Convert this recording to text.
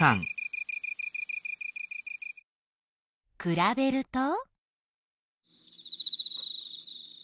くらべると？